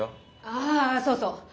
あぁそうそう。